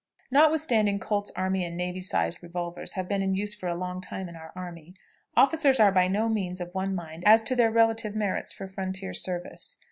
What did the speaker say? Notwithstanding Colt's army and navy sized revolvers have been in use for a long time in our army, officers are by no means of one mind as to their relative merits for frontier service.